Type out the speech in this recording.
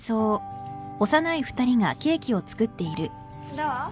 どう？